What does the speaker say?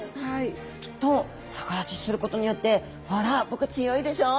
きっと逆立ちすることによってほら僕強いでしょうって